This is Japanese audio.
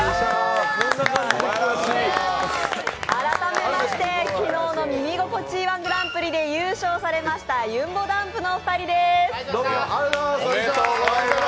改めまして昨日の「耳心地いい−１グランプリ」で優勝されました、ゆんぼだんぷのお二人です。